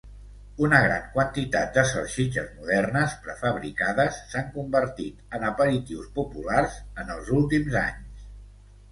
Una gran quantitat de salsitxes modernes, prefabricades, s'han convertit en aperitius populars en els últims anys.